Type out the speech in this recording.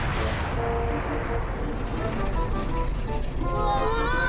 うわ！